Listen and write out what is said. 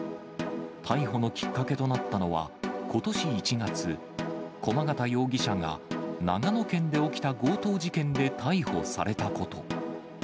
逮捕のきっかけとなったのは、ことし１月、駒形容疑者が長野県で起きた強盗事件で逮捕されたこと。